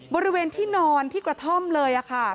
บริเวณที่นอนที่กระท่อมเลยค่ะ